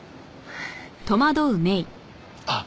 あっ。